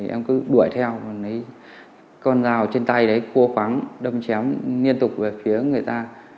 em cứ đuổi theo con dao ở trên tay đấy cua khoáng đâm chém liên tục về phía người ta